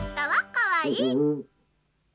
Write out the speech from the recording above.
かわいい。